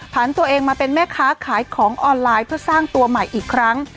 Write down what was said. ผ่านตัวเองมาเป็นแม่ค้าขายของออนไลน์เพื่อสร้างตัวใหม่อีกครั้ง